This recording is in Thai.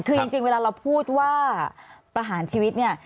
คือจริงเวลาเราพูดว่าประหารชีวิตเนี่ย